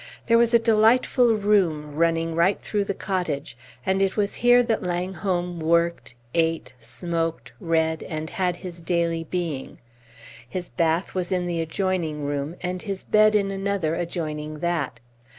There was a delightful room running right through the cottage; and it was here that Langholm worked, ate, smoked, read, and had his daily being; his bath was in the room adjoining, and his bed in another adjoining that.